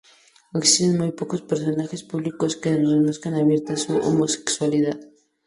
Existen muy pocos personajes públicos que reconozcan abiertamente su homosexualidad.